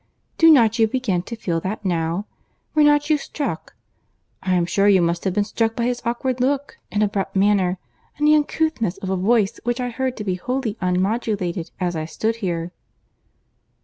Do not you begin to feel that now? Were not you struck? I am sure you must have been struck by his awkward look and abrupt manner, and the uncouthness of a voice which I heard to be wholly unmodulated as I stood here."